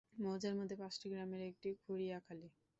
মৌজার মধ্যে পাঁচটি গ্রামের একটি খুরিয়াখালী।